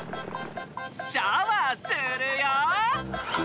シャワーするよ！